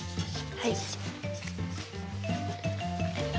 はい。